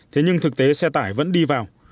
thế nhưng thực tế xe tải vẫn đi vào